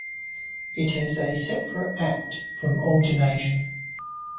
It is a separate act from ordination.